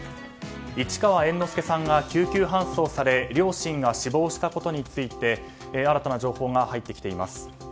市川猿之助さんが救急搬送され両親が死亡したことについて新たな情報が入ってきています。